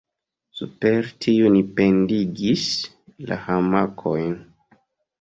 Super tiuj ni pendigis la hamakojn.